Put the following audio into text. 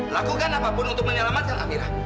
lakukan apapun untuk menyelamatkan amirah